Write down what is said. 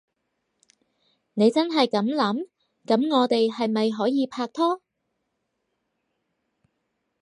你真係噉諗？噉我哋係咪可以拍拖？